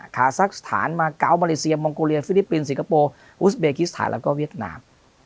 คาซักสถานมาเกาะมาเลเซียมองโกเลียฟิลิปปินสสิงคโปร์อุสเบกิสถานแล้วก็เวียดนาม